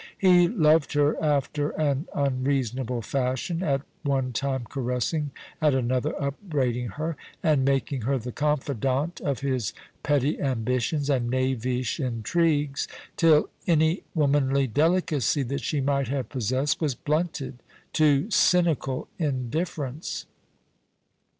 He loved her after an unreasonable fashion, at one time caressing, at another upbraiding her, and making her the confidante of his petty ambitions and knavish in trigues, till any womanly delicacy that she might have pos sessed was blunted to cynical indifference.